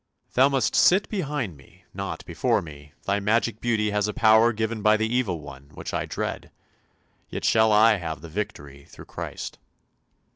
" Thou must sit behind me, not before me; thy magic beauty has a power given by the Evil One which I dread; yet shall I have the victory through Christ!